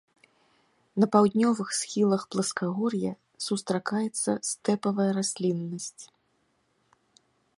На паўднёвых схілах пласкагор'я сустракаецца стэпавая расліннасць.